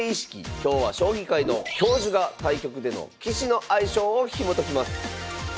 今日は将棋界の教授が対局での棋士の相性をひもときます